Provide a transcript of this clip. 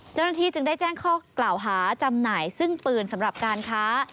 เจ้าหน้าที่จึงได้แจ้งข้อกล่าวหาจำหน่ายซึ่งปืนสำหรับการค้า